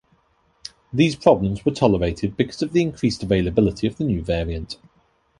These problems were tolerated because of the increased availability of the new variant.